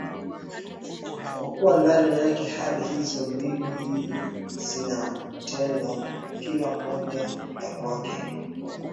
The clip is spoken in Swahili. kwa kuwa ndani yake hali hizo mbili zinatenda kila moja ya kwake